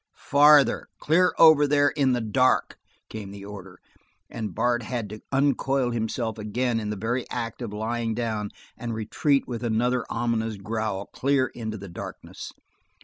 "Farther! Clear over there in the dark," came the order, and Bart had to uncoil himself again in the very act of lying down and retreat with another ominous growl clear into the darkness.